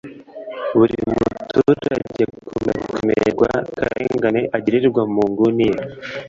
buri muturage akomeza kuremererwa n’akarengane agirirwa mu nguni ye